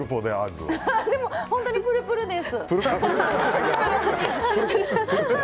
本当にプルプルです。